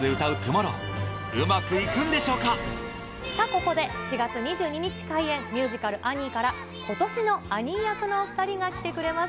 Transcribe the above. ここで４月２２日開演ミュージカル『Ａｎｎｉｅ』から今年のアニー役のお２人が来てくれました。